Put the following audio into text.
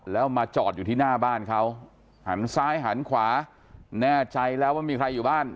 แล้วมาจอดอยู่ที่หน้าบ้านเขาหันซ้ายหันขวาแน่ใจแล้วว่ามีใครอยู่บ้าน